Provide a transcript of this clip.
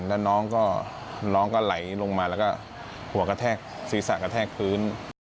แล้วน้องก็น้องก็ไหลลงมาแล้วก็หัวกระแทกศีรษะกระแทกพื้น